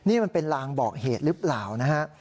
นี่มันเป็นลางบอกเหตุหรือเปล่านะฮะ